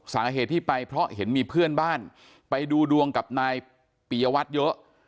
สาเหตุที่ไปเพราะเห็นมีเพื่อนบ้านไปดูดวงกับนายปียวัตรเยอะ